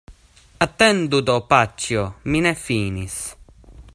Atendu do, paĉjo, mi ne finis.